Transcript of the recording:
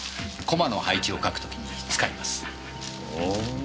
駒の配置を書く時に使います。